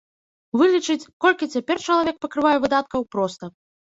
Вылічыць, колькі цяпер чалавек пакрывае выдаткаў проста.